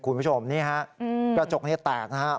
คุณผู้ชมนี่ฮะกระจกนี้แตกนะครับ